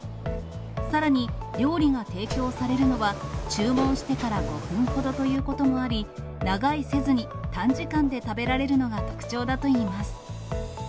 さらに、料理が提供されるのは注文してから５分ほどということもあり、長居せずに短時間で食べられるのが特徴だといいます。